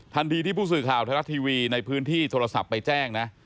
ที่ผู้สื่อข่าวไทยรัฐทีวีในพื้นที่โทรศัพท์ไปแจ้งนะ